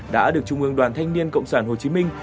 đã được trung ương đoàn thanh niên cộng sản hồ chí minh